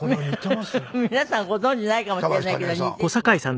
皆さんご存じないかもしれないけど似ている。